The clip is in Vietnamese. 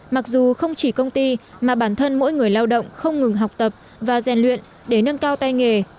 mặc dù không chỉ công ty mà bản thân mỗi người lao động không ngừng học tập và rèn luyện để nâng cao tay nghề